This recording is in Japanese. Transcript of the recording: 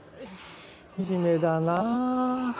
惨めだなあ。